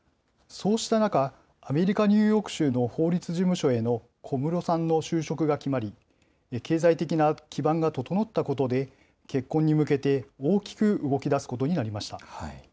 そうした中、アメリカ・ニューヨーク州の法律事務所への小室さんの就職が決まり、経済的な基盤が整ったことで、結婚に向けて大きく動きだすことになりました。